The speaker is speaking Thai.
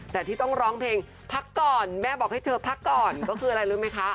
แต่ที่ต้องร้องเพลงพักก่อนแม่บอกให้เธอพักก่อนก็คืออะไรรู้ไหมคะ